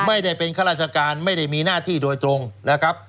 ไม่ได้เป็นข้าราชการไม่ได้มีหน้าที่โดยตรงนะครับ